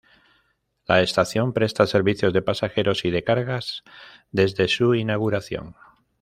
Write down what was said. La estación presta servicios de pasajeros y de cargas desde su inauguración.